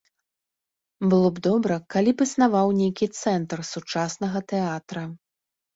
Было б добра, калі б існаваў нейкі цэнтр сучаснага тэатра.